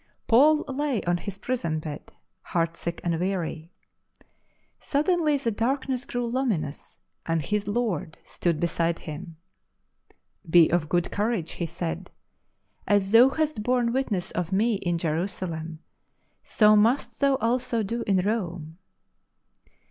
Paul lay on his prison bed, heartsick and weary. Suddenly the darkness grew luminous, and his Lord stood beside him. " Be of good courage," He said, "as thou hast borne Witness of Me in Jerusalem, so must thou also do in Rome."